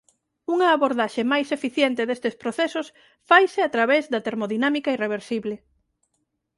Unha abordaxe máis eficiente destes procesos faise a través da termodinámica irreversible.